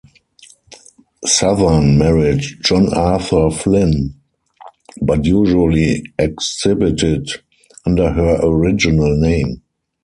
Southern married John Arthur Flinn but usually exhibited under her original name.